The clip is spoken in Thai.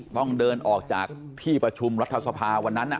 ต้องเดินออกจากที่ประชุมรัฐสภาวันนั้น